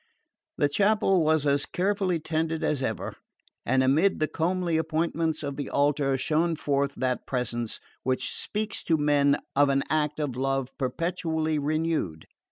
The chapel was as carefully tended as ever; and amid the comely appointments of the altar shone forth that Presence which speaks to men of an act of love perpetually renewed.